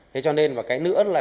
thế cho nên và cái nữa là